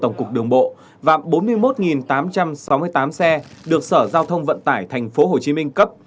tổng cục đường bộ và bốn mươi một tám trăm sáu mươi tám xe được sở giao thông vận tải tp hcm cấp